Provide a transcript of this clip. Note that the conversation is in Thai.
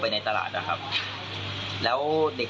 ใครไม่สัธารณะที่เห็นครับ